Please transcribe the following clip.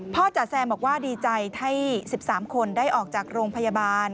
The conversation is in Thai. จ๋าแซมบอกว่าดีใจให้๑๓คนได้ออกจากโรงพยาบาล